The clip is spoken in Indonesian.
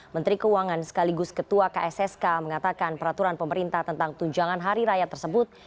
menteri keuangan sekaligus ketua kssk mengatakan peraturan pemerintah tentang tunjangan hari raya tersebut